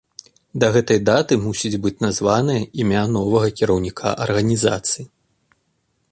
Да гэтай даты мусіць быць названае імя новага кіраўніка арганізацыі.